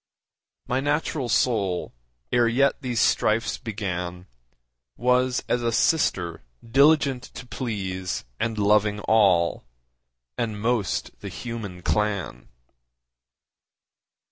My natural soul, ere yet these strifes began, Was as a sister diligent to please And loving all, and most the human clan.